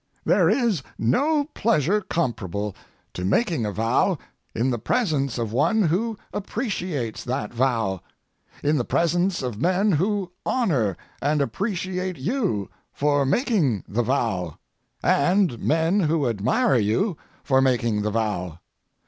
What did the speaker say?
There is no pleasure comparable to making a vow in the presence of one who appreciates that vow, in the presence of men who honor and appreciate you for making the vow, and men who admire you for making the vow.